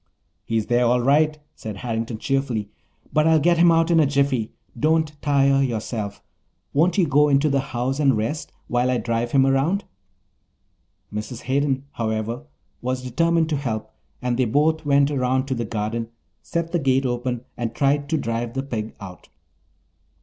"He's there, all right," said Harrington cheerfully, "but I'll get him out in a jiffy. Don't tire yourself. Won't you go into the house and rest while I drive him around?" Mrs. Hayden, however, was determined to help and they both went around to the garden, set the gate open, and tried to drive the pig out.